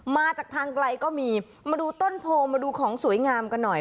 มาจากทางไกลก็มีมาดูต้นโพมาดูของสวยงามกันหน่อย